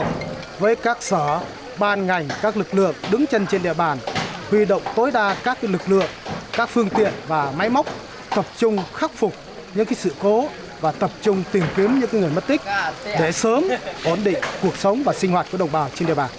phối hợp với các sở ban ngành các lực lượng đứng chân trên địa bàn huy động tối đa các lực lượng các phương tiện và máy móc tập trung khắc phục những sự cố và tập trung tìm kiếm những người mất tích để sớm ổn định cuộc sống và sinh hoạt của đồng bào trên địa bàn